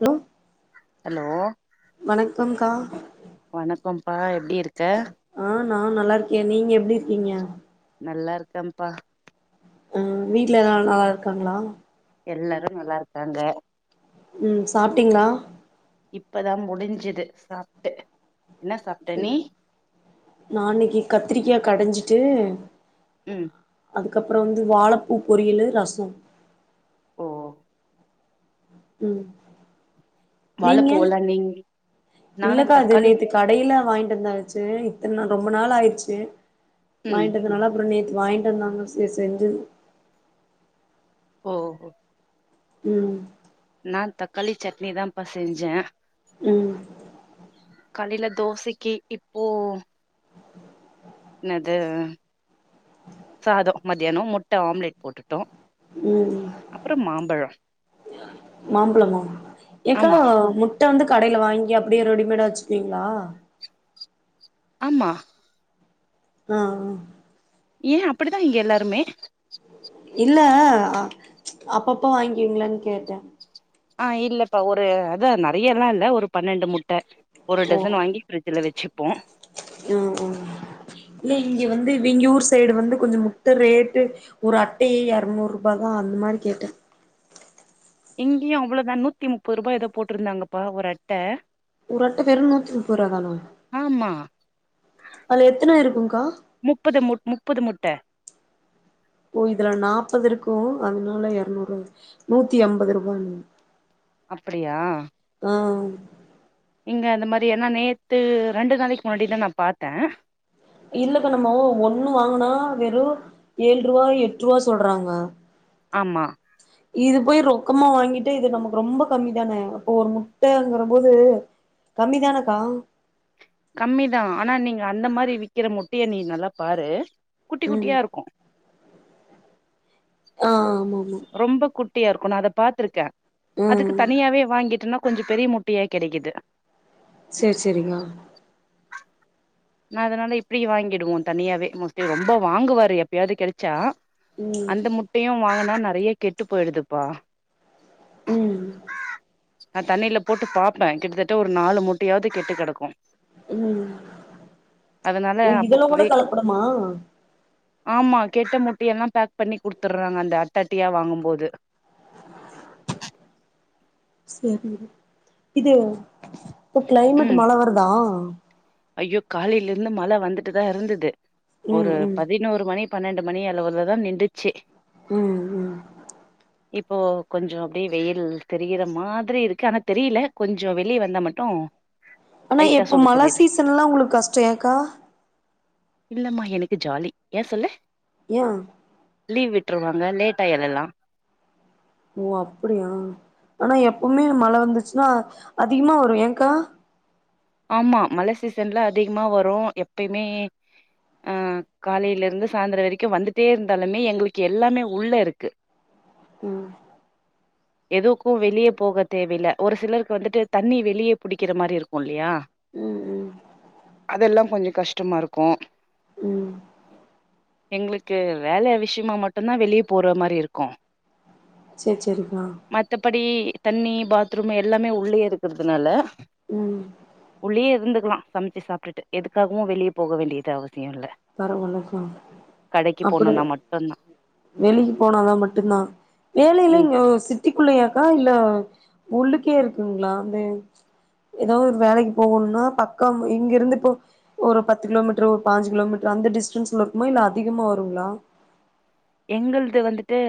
Hello hello வணக்கம்க்கா பாய் எப்டி இருக்க நான் நல்லா இருக்கேன் நீங்க எப்டி இருக்கீங்க நல்லா இருக்கேன்ப்பா ஆ வீட்ல எல்லாரும் நல்லா இருக்காங்களா எல்லாரும் நல்லா இருக்காங்க ம் சாப்ட்டீங்களா இப்பதா முடிஞ்சுது சாப்ட்டு என்ன சாப்ட்ட நீ நா இன்னைக்கு கத்திரிக்கா கடைஞ்சி ஜு ம் அதுக்கப்பறம் வந்து வாழப்பூ பொரியல் ரசம் ஓ ம் நீங்க வாழப்பூ வெளான்டிங் நானு இல்லக்கா அது தக்காளி நேத்து கடையில வாங்கிட்டு இருந்துச்சு இத்தன நாள் ரொம்ப நாள் ஆயிடுச்சு ம் வாங்கிட்டதுனால அப்றம் நேத் வாய்ன்ட்டு வந்தாங்க செரி செஞ்ச ஒ ஒ ம் நான் தக்காளி சட்னி தான்ப்பா செஞ்சே ம் காலைல தோசைக்கு இப்போ என்னது சாதம் மத்தியான முட்டை ஆம்லெட் போட்டு ட்டோம் ம் ம் அப்பறம் மாம்பழம் மாம்பழமா ஏக்கா ஆமா முட்டை வந்து கடைல வாங்கி அப்டியே ரெடிமேடா வச்சுக்வீங்களா ஆமா ஆ ஆ ஏன் அப்டிதான் இங்க எல்லாருமே இல்ல அ அப்ப அப்ப வாங்கீவிங்களான்னு கேட்டே ஆ இல்லப்பா ஒரு அத நெறையலாம் இல்ல ஒரு பன்னெண்டு முட் ட்டை ஒரு ஓ டசன் வாங்கி பிரிஜ்ல வச்சுப்போம் ஆ வெங்க யூர் சைடு வந்து கொஞ்ச முத்த ரேட்டு ஒரு அட்டையே எரநூறு ரூபா தான் ஆகும் அந்த மாரி கேட்டே இங்கேயும் அவ்ளோவுதான் நூத்தி முப்பது ரூபாய் ஏதோ போட்டிருந்தாங்கப்பா ஒரு அட்டை ஒரு அட்ட வெரும் நூத்தி முப்பது ருபா தானா ஆமா அதுல எத்தனை இருக்கும் கா ட்ட ஓ இதுல நாப்பது இருக்கும் அதுல எறநூறு நூத்தி அம்பது ரூபானு அப்டியா இங்க அந்த மாரி என்னா நேத்து ரெண்டு நாளைக்கு முன்னாடி தான் நான் பாத்தே இல்லக்கா நம்போ ஒண்ணு வாங்கனா வெறும் ஏழு ரூபா எட்டு ரூபா சொல்றாங்க ஆமா இது போய் ரொ பக்கமா வாங்கிட்டு இது நமக்கு ரொம்ப கம்மி தானே அப்போ ஒரு முட்டைங்கிற போது கம்மி தானக்கா கம்மிதான் ஆனா நீங்க அந்த மாரி விக்கிற முட்டையை நீ நல்லா பாரு குட்டி ம் குட்டியா இருக்கு ஆ ஆமா ஆமா ரொம்ப குட் குட்டியா இருக்கு நா அத பாத்திருக்கே அதுக்கு ம் தனியாவே வாங்கிட்டனா கொஞ்சம் பெரிய முட்டையா கெடைக்குது செரி செரிங்கா நான் அதனால இப்பிடி வாங்கிடுவோம் தனியாவே மோஸ்டி ரொம்ப வாங்குவாரு எப்பயாவது கெடைச்சா ம் அந்த முட்டையும் வாங்கனா நறைய கெட்டு போயிடுதுப்பா ம் நான் தண்ணில போட்டு பாப்பேன் கிட்டத்தட்ட ஒரு நாலு முட்டையாவது கெட்டு கெடக்கு ம் அதனால உ இதுல கூட அப்பப்பவே கலப்படுமா ஆமா கெட்ட முட்டைய எல்லாம் பேக் பண்ணி குடுத்துடுறாங்க அந்த அட்ட அட்டியா வாங்கும்போது சரி இது இப்ப கிளைமேட் ம் மழை வருதா ஐயோ காலையில இருந்து மழை வந்துட்டுதான் இருந்தது ம் ஒரு ம் பதினோரு மணி பன்னெண்டு மணி அளவுலதான் நின்ந்துச்சு உம் உம் இப்போ கொஞ்சம் அப்படியே வெயில் தெரிகிற மாதிரி இருக்கு ஆனா தெரியல கொஞ்சம் வெளியே வந்தா மட்டும் ஆனா எப்ப மழை சீசன் எல்லாம் உங்களுக்கு கஷ்டம் ஏக்கா இல்லம்மா எனக்கு ஜாலி ஏன் சொல்லு ய லீவ் விட்டுருவாங்க லேட் ஆயல்லல்லாம் ஓ அப்படியா ஆனா எப்பவுமே மழை வந்துச்சுன்னா அதிகமா வரும் ஏக்கா ஆமா மழை சீசன்ல அதிகமா வரும் எப்பயுமே அஹ் காலையில இருந்து சாய்ந்திரம் வரைக்கும் வந்துட்டே இருந்தாலுமே எங்களுக்கு எல்லாமே உள்ள இருக்கு உம் எதுக்கும் வெளியே போக தேவை இல்ல ஒரு சிலருக்கு வந்துட்டு தண்ணி வெளியே புடிக்கிற மாதிரி இருக்கும் இல்லையா ம் ம் அதெல்லாம் கொஞ்சம் கஷ்டமா இருக்கும் கும் உம் எங்களுக்கு வேலை விசியமா மட்டும்தான் வெளியே போற மாதிரி இருக்கும் சரி சரிக்கா தண்ணி பாத்ரூம் எல்லாமே உள்ளேயே இருக்கிறதுனால ம் உள்ளயே இருந்துக்கலா சமைச்சு சாப்பிட்டு எதுக்காகவு வெளியே போக வேண்டியது அவஸ் பரவால்லக்கா கடைக்கு அப்டு போணுன்னா மட்டுந்தா வெளிய போனாதா மட்டுதா ம் வேலைல்லீங்கோ சிட்டிக்குள்ளயா கா இல்ல உள்ளுக்கே இருக்குங்களா அந்த ஏதாவது வேலைக்கு போகோணுனா பக்கம் இங்க இருந்து இப்போ ஒரு பத்து கிலோமீட்டர் ஒரு பாஞ்சு கிலோமீட் அந்த டிஸ்டன்ஸ்ல இருக்குமா இல்ல அதிகமா வருங்களா எங்கள்து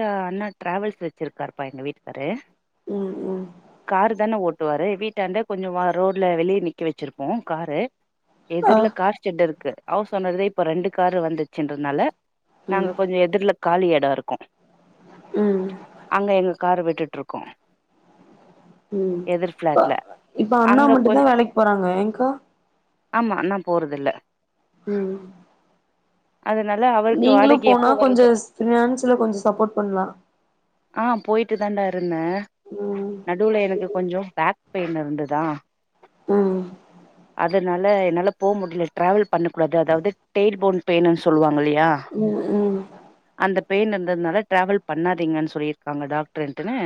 ம் ம் காரு தானே ஓட் விட்டுவாரு வீட்டாண்ட கொஞ்சமா ரோட்ல வெளிய நிக்க வச்சிருப்போ காரு ஆ எதிர்ல கார் ஜெட் இருக்கு அவ்ஸ் ஒனரு இப்போ ரெண்டு காரு வந்துச்சுன்றனால நாங்க ம் கொஞ்சோ எதிர்ல காலி எடோ இருக்கு ம் அங்க எங்க கார வெட் ட்டுட்டு இருக்கோ உம் இப்ப இப்ப அண்ணா அங்க போய் மட்டுதா வேலைக்கு போறாங்க ஏங்கா ஆமா நா போறதில்ல உம் அதனால அவருக்கு வாடகை எப்போ கொஞ்சோ வருதோ ஃபினான்ஸ்ல கொஞ்சோ சப்போட் பண்ணலா இதாண்டா இருக் என்ன நடுவுல எனக்கு கொஞ்சோ பேக் பெயின் இருந்துதா ம் அதனால் இல்ல என்னால போக முடில்ல ட்ராவல் பண்ணக்கூடாது அதாவது ட்டேய்ன் போன் பெயின் சொல்லுவாங் உஹம் உஹம் அந்த பெய்ன் இருந்ததுனால ட்ராவல் பண்ணாதீங்கன்னு சொல்லியிருக்காங்க டாக்டர் ட்டுனே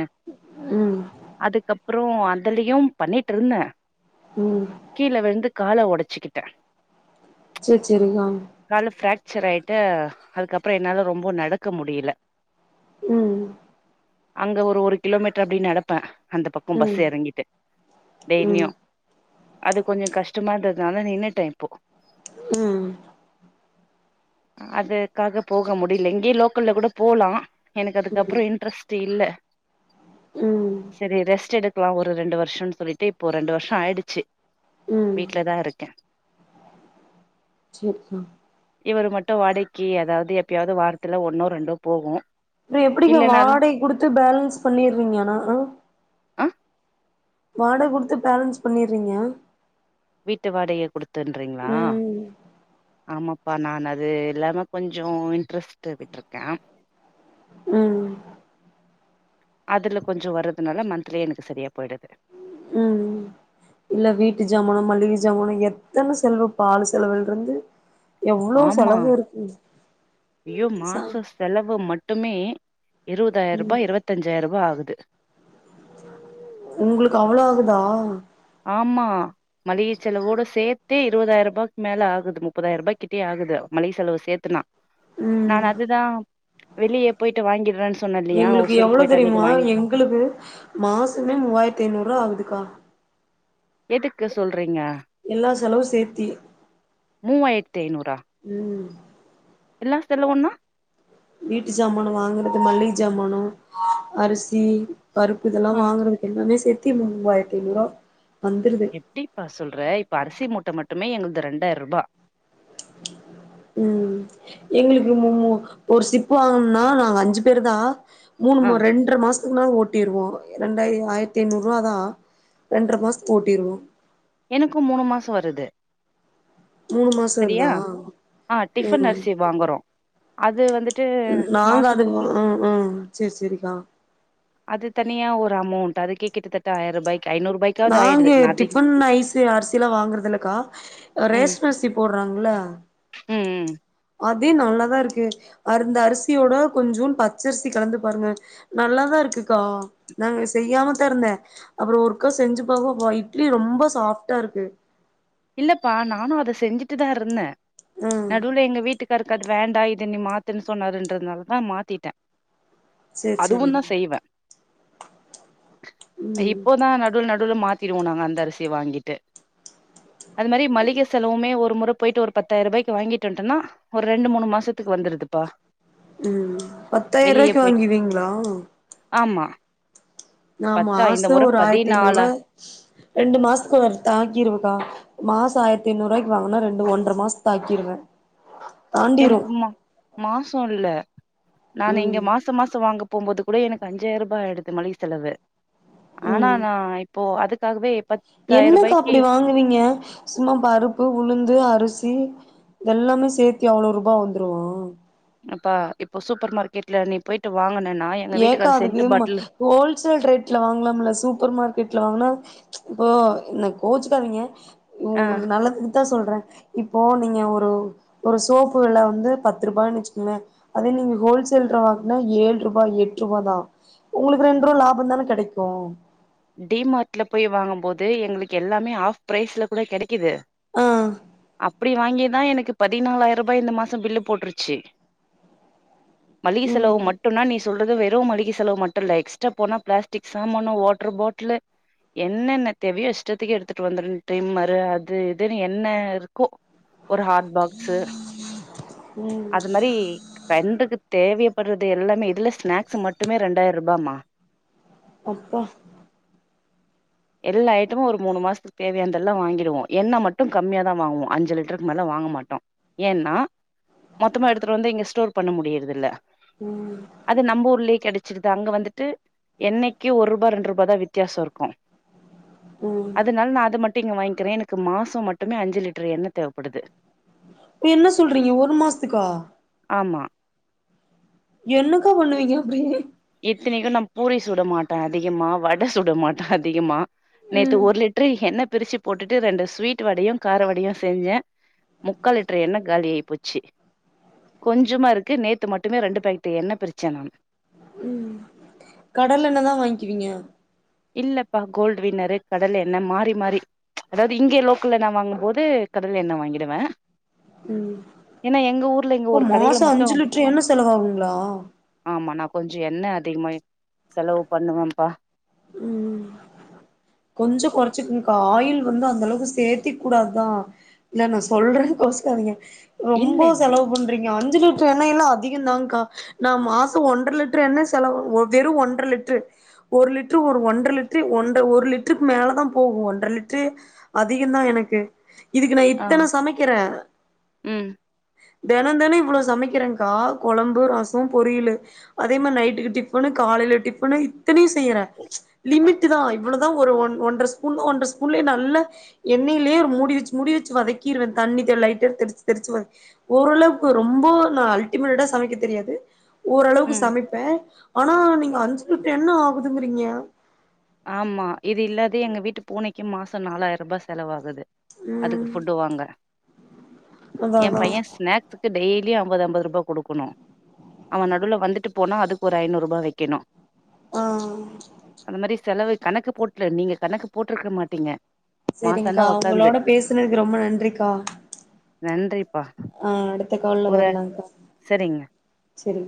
ம் அதுக்கப்றோ அந் தலயு பண்ணிட்ருந்த ம் கீழ விழுந்து கால ஒடச் சிக்கிட்ட செர் செரிங்கோ ச்ச ரைட்டு அதுக்கப்றோ என்னால ரொம்ப நடக்க முடியில ம் அங்க ஒரு ஒரு கிலோமீட்டர் அப்டி நடப்ப அந்த பக்கோ ம் பஸ் ம் எறங்கிட்டு டெய்லியு ம் அது கொஞ்சோ கஷ்டமா இருந்ததுனால நின்னுட்டே இப்போ ம் அதுக்காகப் போக முடில இங்கே லோக்கல்ல கூட போலா எனக்கு அதுக்கப்றோ இன்ட்ரெஸ்ட்டு இல்ல ம் செரி ரெஸ்ட் எடுக்லா ஒரு ரெண்டு வருஷனு சொல்லிட்டு இப்போ ரெண்டு வருஷோ ஆயிடுச்சு ம் வீட்லதா இருக் க்க செர் செரி இவர் மட்டும் வாடைக்கி எதாவது எப்பயாவது வாரத்துல ஒன்னோ ரெண்டோ போகு அப்ப எப்படிங்க இல்லனாலு வாடைக் குடுத்து பேலன்ஸ் பண்ணிருவீங்காளா ஆ வாடக குடுத்து பேலன்ஸ் பண்ணிடுரீங்க வீட்டு வடகைய குடுத்துன்றீங்களா ம் ஆமா இப்ப நா அது இல்லாம கொஞ்சே இன்ட்ரெஸ்ட் விட்டுருக்கே உம் அதுல கொஞ்சோ வரதுனால மந்த்லி எனக்கு சரியா போயிடுது உம் ம் இல்ல வீட்டு ஜாமனும் மளிகை ஜாமனும் எத்தன செலவு பால் செலவுலருந்து எவ்ளோ ஆமா செலவு இருக்குங் ஐயோ சா மாச செலவு மட்டுமே இருபதாயிர ரூபாய இருபத்தஞ்சாயிர ரூபா வருது உங்குளுக்கு அவ்ளோ ஆகுதா ஆமா மளிக செலவோட சேர்த்தே இருபதாயிரம் ரூபாய்க்கு மேலே ஆகுது முப்பதாயிரம் ரூபாய்க்கிட்டயே ஆகுது மளிகை செலவு சேர்த்துனா நான் ம் அதுதா வெளியே போயிட்டு வாங்கிடுற எங்குளுக்கு எவ்வளவு தெரியுமா எங்குளுக்கு மாசமே மூவாயிரத்தி ஐநூறு ரூபா ஆகுதுக்கா எதுக்கு சொல்ற எல்லா செலவும் சேத்தி மூவாயிரத்தி ஐநூறா ம் எல்லா செலவோனா வீட்டு சமானு வாங்குறது மல்லிக சமானோ அரிசி பருப்பு இதெல்லா ஆ வாங்குறதுக்கு எல்லாமே சேத் த்தி மூவாயிரத்த ஐநூறுவா வந்துருது எப்டிப்பா சொல்ற இப்ப அரிசி மட் டுமே எங்களது ரெண்டாயிருபா ம் எங்குளுக்கு ஒரு சிப்போ வாங்கணும்னா நாங்க அஞ்சு பேருதா ஆ மூணு ரெண்ட்ரா மாசம் ன ஓட்டிருவோ ரெண்டாயிர ஆயிரத்தி ஐநூறு ரூபாதா ரெண்டரை மாசத்துக்கு ஓட்டிருவோ எனக்கும் மூணு மாசம் வருது மூணு மாசோ சரியா வருதா ஆ டிஃபன் ம் அரிசி வாங்குறோ அது வந்துட்டு நாங்க அது வா மாசத்துக்கு ம் ம் சேரி சேரிக்கா அது தனியா ஒரு அமௌண்ட் அதுக்கே கிட்டத்தட்ட ஆயிரபாக் நாங்க டிஃபன் ஐஸ் அரிசிலா வாங்குறதில்ல கா ம் ரேஷன் அரிசி போடுற தறாங்கல ம் ம் அதே நல்லாதா இருக்கு அந்த அரிசியோட கொஞ்சோனு பச்சரிசி கலந்து பாருங்க நல்லாதா இருக்குக்கா நாங்க செய்யாம தா இருந்தேன் அப்புறோ ஒருக்க செஞ்சு பாத்த இட்லி ரொம்ப சாஃப்ட்டா இருக்கு இல்லப்பா நானும் அத செஞ்சிட்டு தான் இருந்தே ஆ நடுவுல எங்க வீட்டுக்கார் அது வேண்டா இது நீ மாத்துன்னு சொன்னாருன்றதுனாலதா மாத்திட்டேன் சேரி சேரி அதுவும்தா செய்வே ம் இப்போதா நடுவுல நடு மாத்திடுவோ நாங்க அந்த அரிசிய வாங்கிட்டு அது மாரி மளிக செலவுமே ஒரு முற போயிட்டு ஒரு பத்தாயிரபாய்க்கு வாங்கிட்டு வட்டோம்ன்னா ஒரு ரெண்டு மூணு மாசத்துக்கு வந்துடுதுப்பா ம் பத்தாயிரவாய்க்கு வாங்கீருவீங்களா ஆமா நா பத்தா இந்த மாசம் முறை ஒரு ஆயிரத்தி ஐநூறு பதினாலா ரூவா ரெண்டு மாசத்துக்கு தாக்கிருவேக்கா மாசம் ஆயிரத்தி ஐநூறுபாய்க்கு வாங்கனா ரெண்டு ஒன்ற மாச தாக்கிடுவேன் எனக்கு மா மாசோ இல்ல நா இங்க ம் மாச மாசம் வாங்க போகும்போது கூட எனக்கு அஞ்சாயிருபா ஆயிடுது மளிக செலவு ஆனா ம் நா இப் போ அதுக்காகவே பத்தாயிரம் என்னக்கா ரூபாய்க்கு அப்புடி வாங்குவிங்க சும்மா பருப்பு உளுந்து அரிசி எல்லாமே சேத்தி அவ்ளோ ரூபா வந்துருமா அப்பா இப்ப சூப்பர் மார்க்கெட்ல நீ போய்ட்டு வாங்கு ஏக்கா அதுக்கு ம் ஹோல்சேல் ரேட்ல வாங்கலாம்ல சூப்பர் மார்க்கெட்ல வாங்னா இப்போ என்ன கோச்சுகாதிங்க ஆ உங்குளுக்கு நல்லதுக்குதா சொ ல்றே இப்போ நீங்க ஒரு ஒரு சோப்பு வெல வந்து பத்து ருபானு வெச்சுக்குங்ளே அதே நீங்க ஹோல்சேல்ர வாங்னா ஏழு ருபா எட்ருபா தா உங்களுக்கு ரெண்டுருவா லாபந்தான கெடைக்கு டி மார்ட்ல போய் வாங்கும் போது எங்ளுக்கு எல்லாமே ஹாஃப் ப்ரைஸ்ல கூட கெடைக்குது ஆ அப்டி வாங்கிதா எனக்கு பதினாலாயிருபா இந்த மாச பில்லு போட்ருச்சு மளிக செலவு ம் மட்டுனா நீ சொல்றது வெ று மளிக செலவு மட்டு இல்ல எக்ஸ்ட்ரா போனா பிளாஸ்டிக் சாமான வாட் ர பாட்லு என்னென்ன தேவையோ இஷ்டத்துக்கு எடுத்துட்டு வந்துரு டிரிம்மரு அது இதுனு என்ன இருக்கோ ஒரு ஹாட் பாக்ஸு ம் அது மாரி ட்ரெண்டுக்கு தேவைப்படுறது எல்லாமே இதுல ஸ்நாக்ஸ் மட்டுமே ரெண்டாயிருபாமா அப்பா எல்லா ஐட்டமும் ஒரு மூணு மாசத்துக்கு தேவையான தெல்லா வாங்கிடுவோம் எண்ணெ மட்டும் கம்மியா தான் வாங்குவோம் அஞ்சு லிட்டருக்கு மேல வாங்க மாட்டோம் ஏன்னா மொத்தமா எடுத்துட்டு வந்து இங்க ஸ்டோர் பண்ண முடியறது இல்ல ம் அது நம்ம ஊர்லயே கிடைச்சிருது அங்க வந்துட்டு எண்ணைக்கு ஒரு ரூபாய் ரெண்டு ரூபாய் தான் வித்தியாசம் இருக்கும் ம் அதனால நான் அத மட்டும் வாங்கிக்கிறேன் எனக்கு மாசம் மட்டுமே அஞ்சு லிட்டர் எண்ணெய் தேவைப்படுது நீ என்ன சொல் என்ன சொல்றீங்க ஒரு மாசதுக்கா ஆமா என்னக்கா பண்ணுவீங்க அப்டி இத்தனைக்கு நா பூரி சுட மாட்டே அதிகமா, வடை சுட மாட்டே அதிகமா. நேத்து ம் ஒரு லிட்டரு எண்ணெய் பிரிச்சு போட்டுட்டு ரெண்டு ஸ்வீட் வடையும், கார வடையும் செஞ்சே. முக்கால் லிட்டரு எண்ணெய் காலி ஆகி போச்சி. கொஞ்சமா இருக்கு நேத்து மட்டுமே ரெண்டு பேக்கெட் எண்ணெய் பிரிச்சே கடலெண்ணெய் தா வாங்கிக்கிவீங்க. இல்லப்பா கோல்டு வின்னரு, கடலெ எண்ணெ மாறி மாறி. அதாவது இங்கே லோக்கல்ல நா வாங்கும்போது கடலெ எண்ணெ நா வாங்கிட்வே. ஏன்னா எங்க ஊர்ல இங்க அப்போ ஒரு கடையில மாசம் மட்டு அஞ்சு லிட்டர் எண்ணெ செலவாகுங்களா? கொஞ்சம் எண்ணெ அதிகமாவே செலவு பண்ணுவேம்பா கொஞ்சம் கொறைச்சிக்குங்கா. ஆயில் வந்து அந்த அளவுக்கு சே்த்திக் கூடாதுக்கா. இல்ல நா சொல்றே கோச்சுக்காதீங்க. ரொம்ப இல்ல இல்ல செலவு பண்றீங்க அந் அஞ்சி லிட்டர் எண்ணெ எல்லா அதிகம் தாக்கா. நா மாசம் ஒன்ற லிட்டர் எண்ணெ செலவாகு வெறும் ஒன்ற லிட்டர். ஒரு லிட்டர், ஒரு ஒன்ற லிட்டர் ஒன்ட ஒரு லிட் லிட்டருக்கு மேலதா போகும். ஒன்றரை லிட்டரு அதிகம் தா எனக்கு. இதுக்கு நா ஆ இத்தனை சமைக்கறே. ம் தினம் தினம் இவ்ளோ சமைக்கிறேக்கா கொழம்பு, ரசம், பொரியலு. அதே மாதிரி நைட்டுக்கு டிஃபன், காலையில டிஃபன் இத்தனையும் செய்றே. லிமிட் தா இவ்ளோதா ஒரு ஒன் ஒன்றை ஸ்பூன் ஒன்றை ஸ்பூன்லயே நல்லா எண்ணெய்லயே ஒரு மூடி வச்சி மூடி வச்சி வதக்கிருவே தண்ணி லைட்டா தெரிச்சி தெரிச்சி வ. ஓரளவுக்கு ரொம்பொ நா அல்டிமேட்டடா சமைக்க தெரியாது. ஒ ஓரளவுக்கு ம் சமைப்பே ஆனா நீங்க அஞ்சி லிட்டரு எண்ணெ ஆகுதுங்கிறிங்க. ஆமா இது இல்லாது எங்க வீட்டு பூனக்கி மாச நாலாயிரம் ரூபா செலவாகு அது அதுக்கு ம் ஃபுட்டு வாங்க. அதா ஏ அதா பையெ ஸ்நாக் க்கு டெய்லி அம்பது அம்பது ரூபா குடுக்கணு. அவ நடூல வந்துட் போனா அதுக்கு ஒரு ஐநூறு ரூபா வெக்கணு. ஆஹ் செலவு கணக்கு போட்டுலு நீங்க கணக்கு போட்ருக்க மாட்டீங்க. மாசானா செரிங்க்கா, ஒக்காந்து ஒங்களோட பேசுனதுக்கு ரொம்ப நன்றிக்கா. நன்றி ஆஹ் அடுத்த கால்ல வரலாக்கா சரிங்க செரி